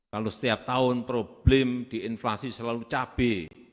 kalau setiap tahun problem di inflasi selalu cabai